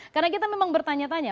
karena kita memang bertanya tanya